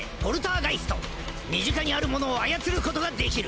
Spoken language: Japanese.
身近にあるものを操ることができる！